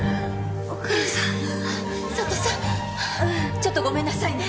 ちょっとごめんなさいね。